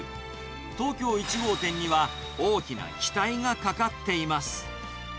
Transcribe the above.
東京１号店には大きな期待がかかっています。